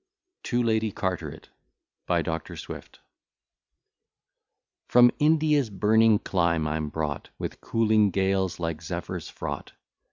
TO LADY CARTERET BY DR. SWIFT FROM India's burning clime I'm brought, With cooling gales like zephyrs fraught.